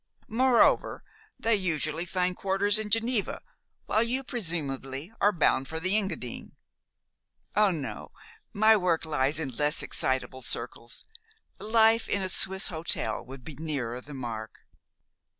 Moreover, they usually find quarters in Geneva, while you presumably are bound for the Engadine." "Oh, no. My work lies in less excitable circles. 'Life in a Swiss hotel' would be nearer the mark."